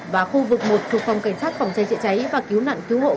và khu vực một thuộc phòng cảnh sát phòng cháy chữa cháy và cứu nạn cứu hộ